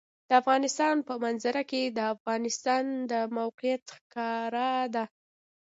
د افغانستان په منظره کې د افغانستان د موقعیت ښکاره ده.